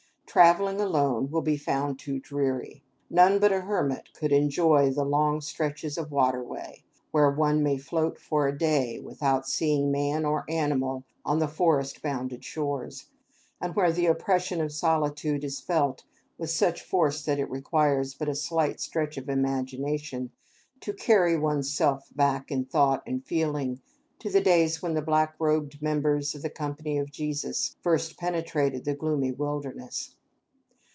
Traveling alone will be found too dreary. None but a hermit could enjoy those long stretches of waterway, where one may float for a day without seeing man or animal on the forest bounded shores, and where the oppression of solitude is felt with such force that it requires but a slight stretch of imagination to carry one's self back in thought and feeling to the days when the black robed members of the Company of Jesus first penetrated the gloomy wilderness.